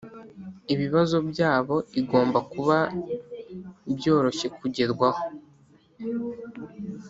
ibibazo byabo igomba kuba byoroshye kugerwaho